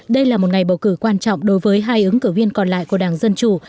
đây là một ngày bầu cử quan trọng đối với hai ứng cử viên còn lại của đảng dân chủ